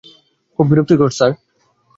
খুব বিরক্তিকর স্যার।